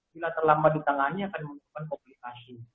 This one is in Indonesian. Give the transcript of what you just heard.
bila terlambat di tangannya akan menimbulkan komplikasi